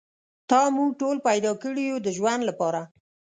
تا موږ ټول پیدا کړي یو د ژوند لپاره.